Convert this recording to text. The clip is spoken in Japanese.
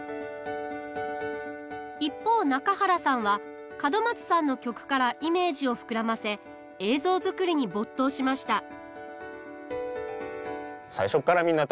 一方中原さんは角松さんの曲からイメージを膨らませ映像作りに没頭しました。